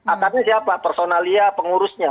akarnya siapa personalia pengurusnya